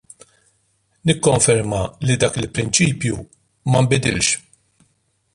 Nikkonferma li dak il-prinċipju ma nbidilx.